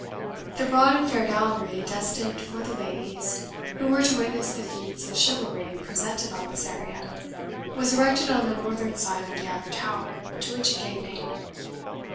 The broad and fair gallery, destined for the ladies who were to witness the feats of chivalry presented on this area, was erected on the northern side of the outer tower, to which it gave name.